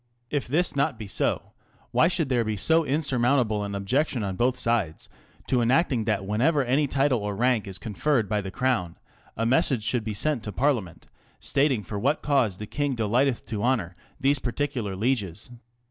If this be not so, why should there be so insurmountable an objection on both sides to enacting that whenever any title or rank is conferred by the Crown, a message should be sent to Parliament stating for what cause the King delighteth to honour these particular lieges